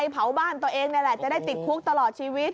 เผาบ้านตัวเองนี่แหละจะได้ติดคุกตลอดชีวิต